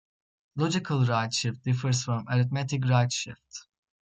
Logical right shift differs from arithmetic right shift.